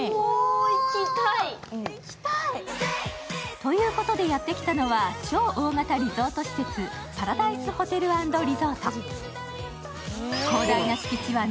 ということでやってきたのは超大型リゾート施設パラダイスホテル＆リゾート。